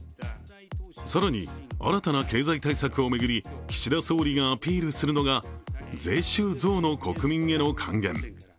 更に新たな経済対策を巡り岸田総理がアピールするのが、税収増の国民への還元。